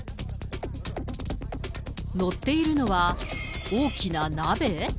乗っているのは、大きな鍋？